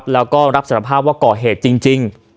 แล้วก็รับสารภาพว่าก่อเหตุจริง